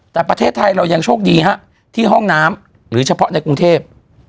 แต่ประเทศไทยเรายังโชคดีฮะที่ห้องน้ำหรือเฉพาะในกรุงเทพ